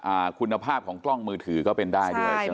อ่าคุณภาพของกล้องมือถือก็เป็นได้ด้วยใช่ไหม